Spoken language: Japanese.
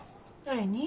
誰に？